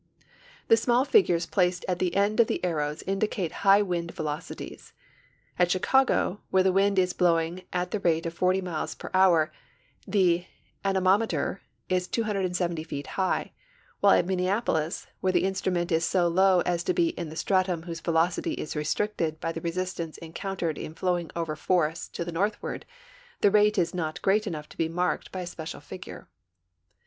The small figures i)laced at the end of the arrows indicate high wind velocities. At Chicago, where the wind is blowing at the rate of 40 miles per hour, the anemometer is 270 feet high, while at Minneapolis, where the instrument is so low as to be in the stratum whose velocity is restricted by the resistance encountered in flowing over forests to the northward, the rate is not great enough to be marked by a sj^ecial figure.